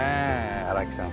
荒木さん